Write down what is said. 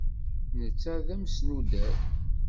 Netta d amesnuder.